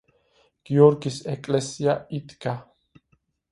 გიორგის ეკლესია იდგა.